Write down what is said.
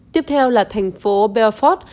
tiếp theo là thành phố belfort